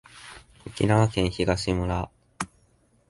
沖縄県東村